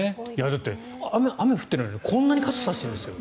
だって雨が降ってないのにこんなに傘を差してるんですよ。